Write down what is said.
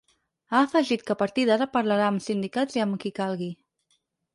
Ha afegit que a partir d’ara parlarà amb sindicats i “amb qui calgui”.